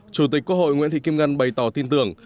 chủ tịch quốc hội nguyễn thị kim ngân bày tỏ tin tưởng